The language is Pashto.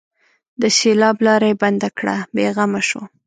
د سېلاب لاره یې بنده کړه؛ بې غمه شو.